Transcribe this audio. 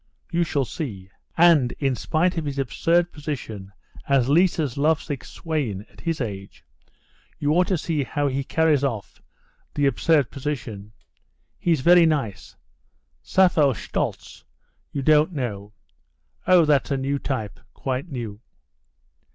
You shall see. And, in spite of his absurd position as Liza's lovesick swain at his age, you ought to see how he carries off the absurd position. He's very nice. Sappho Shtoltz you don't know? Oh, that's a new type, quite new."